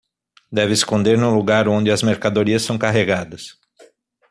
Deve esconder no lugar onde as mercadorias são carregadas